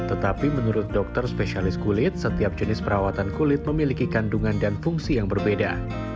tetapi menurut dokter spesialis kulit setiap jenis perawatan kulit memiliki kandungan dan fungsi yang berbeda